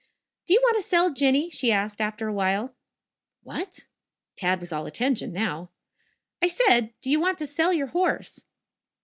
"Do you want to sell Jinny?" she asked after a little. "What?" Tad was all attention now. "I said, do you want to sell your horse?"